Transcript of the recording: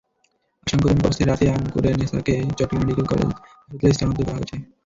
আশঙ্কাজনক অবস্থায় রাতেই আঙ্কুরের নেছাকে চট্টগ্রাম মেডিকেল কলেজ হাসপাতালে স্থানান্তর করা হয়েছে।